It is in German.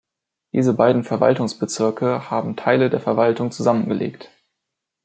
Diese beiden Verwaltungsbezirke haben Teile der Verwaltung zusammengelegt.